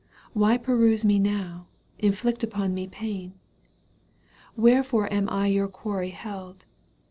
Why pursue Me now, inflict upon me pain ?— Wherefore am I your quarry held